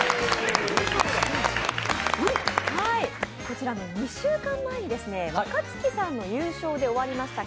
こちら２週間前に若槻さんの優勝で終わりました